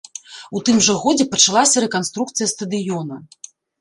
У тым жа годзе пачалася рэканструкцыя стадыёна.